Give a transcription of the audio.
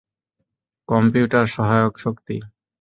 Computer, সহায়ক শক্তি।